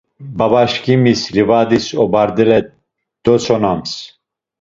Babaşǩimis livadis obardale dotsonams.